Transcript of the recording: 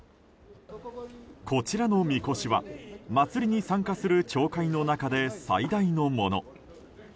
こちらのみこしは祭りに参加する町会の中で最大のもの。